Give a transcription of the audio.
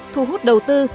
thu hút đầu tư